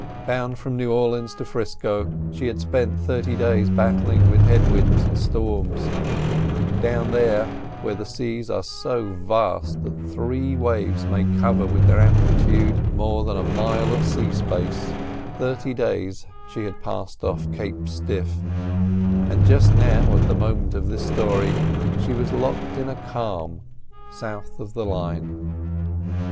Bound from New Orleans to 'Frisco she had spent thirty days battling with head winds and storms—down there, where the seas are so vast that three waves may cover with their amplitude more than a mile of sea space; thirty days she had passed off Cape Stiff, and just now, at the moment of this story, she was locked in a calm south of the line.